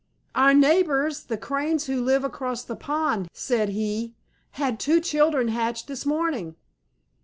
"Our neighbors, the Cranes who live across the pond," said he, "had two children hatched this morning."